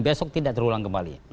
besok tidak terulang kembali